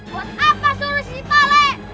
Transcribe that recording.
buat apa suruh si pahle